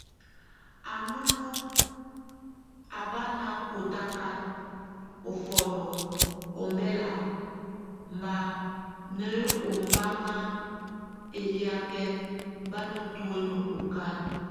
A nulu a bá nakotakan ofɔnɔ ombɛlak, bá nɛ ombaŋ eliakɛn, bá netuen okal.